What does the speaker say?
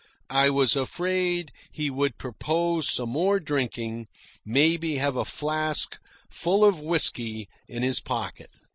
I was afraid he would propose some more drinking, maybe have a flask full of whisky in his pocket.